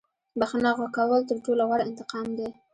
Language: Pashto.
• بښنه کول تر ټولو غوره انتقام دی.